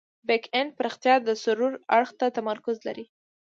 بیک اینډ پراختیا د سرور اړخ ته تمرکز لري.